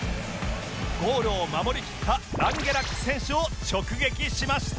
ゴールを守りきったランゲラック選手を直撃しました